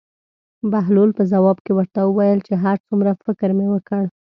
بهلول په ځواب کې ورته وویل چې هر څومره فکر مې وکړ.